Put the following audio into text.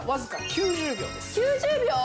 ９０秒。